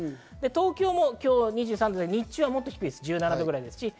東京も今日２３度で日曜はもっと低いです、１７度くらいです。